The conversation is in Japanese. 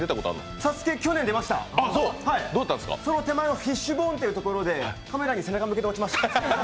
「ＳＡＳＵＫＥ」、去年出ました手前のフィッシュボーンでカメラに背中を向けて落ちました。